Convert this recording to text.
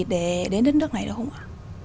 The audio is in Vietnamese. để đến đến đất nước này được không ạ